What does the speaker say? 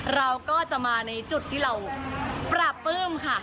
เราก็จะมาในจุดที่เราปราบปลื้มค่ะ